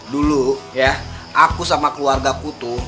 dulu ya aku sama keluarga ku tuh